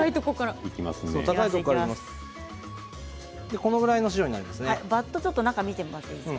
このぐらいの塩になりますね。